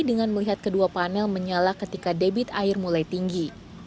dengan melihat kedua panel menyala ketika debit air mulai tinggi